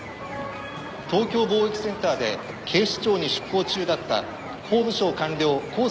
東京貿易センターで警視庁に出向中だった法務省官僚香坂朱里さん